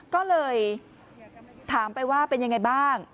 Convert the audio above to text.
ก็เลยถามไปว่าเป็นยังไงบ้าง